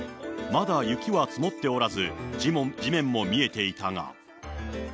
まだ雪は積もっておらず、地面も見えていたが。